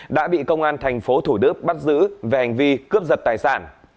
đã bị công an thành phố thủ đức bắt giữ về hành vi cướp giật tài sản